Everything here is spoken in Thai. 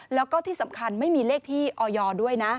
แล้วก็ที่สำคัญไม่มีเลขที่ออยด้วยนะ